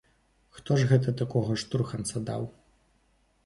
Хто ж гэта такога штурханца даў?